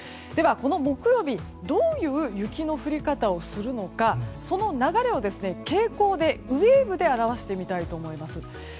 では、この木曜日どういう雪の降り方をするのかその流れを傾向でウェーブで表してみたいと思います。